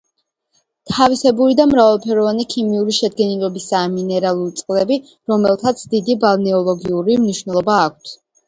თავისებური და მრავალფეროვანი ქიმიური შედგენილობისაა მინერალური წყლები, რომელთაც დიდი ბალნეოლოგიური მნიშვნელობა აქვთ.